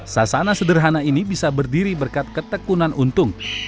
sasana sederhana ini bisa berdiri berkat ketekunan untung